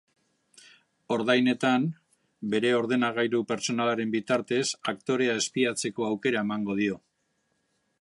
Ordainetan, bere ordenagailu pertsonalaren bitartez aktorea espiatzeko aukera emango dio.